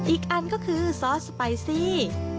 อีกอันก็คือซอสสไปซี่